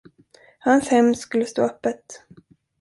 Hans hem skulle stå öppet.